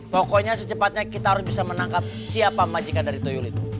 pokoknya secepatnya kita harus bisa menangkap siapa majikan dari toyo itu